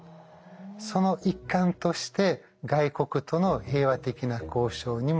その一環として外国との平和的な交渉にも力を注ぎました。